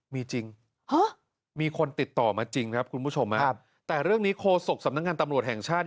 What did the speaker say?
มีจริงมีคนติดต่อมาจริงครับคุณผู้ชมแต่เรื่องนี้โคศกสำนักงานตำรวจแห่งชาติ